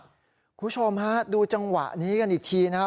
คุณผู้ชมฮะดูจังหวะนี้กันอีกทีนะครับ